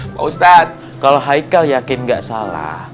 pak ustadz kalau haikal yakin nggak salah